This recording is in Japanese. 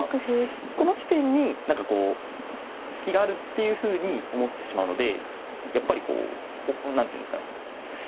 この地点に何かこう隙があるっていうふうに思ってしまうのでやっぱりこう何ていうんですかね